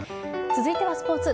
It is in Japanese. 続いてはスポーツ。